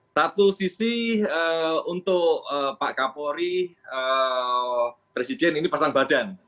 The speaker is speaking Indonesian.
satu sisi untuk pak kapolri presiden ini pasang badan